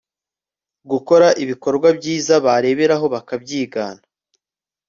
gukora ibikorwa byiza bareberaho bakabyigana